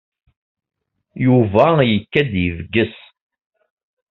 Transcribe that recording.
Yuba ikad-d yebges.